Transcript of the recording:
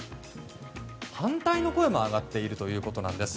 反対の声も上がっているということです。